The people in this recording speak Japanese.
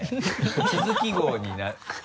地図記号に。